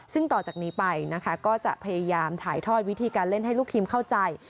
ซึ่งต่อจากนี้ไปนะคะก็จะพยายามถ่ายทอดวิธีการเล่นให้ลูกทีมเข้าใจ